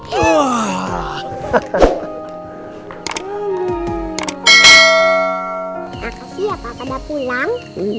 pak kasih apa kada pulang